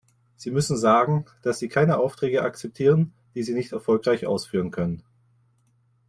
Sie müssen sagen, dass Sie keine Aufträge akzeptieren, die Sie nicht erfolgreich ausführen können.